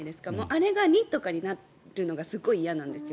あれが２とかになるのがすごい嫌なんです。